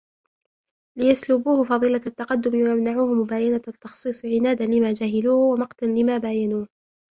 لِيَسْلُبُوهُ فَضِيلَةَ التَّقَدُّمِ وَيَمْنَعُوهُ مُبَايِنَةَ التَّخْصِيصِ عِنَادًا لِمَا جَهِلُوهُ وَمَقْتًا لِمَا بَايَنُوهُ